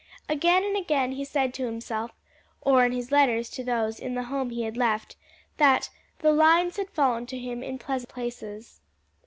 Again and again he said to himself, or in his letters to those in the home he had left, that "the lines had fallen to him in pleasant places."